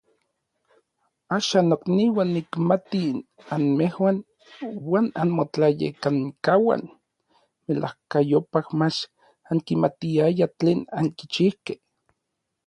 Axan, nokniuan, nikmati anmejuan inuan anmotlayekankauan melajkayopaj mach ankimatiayaj tlen ankichijkej.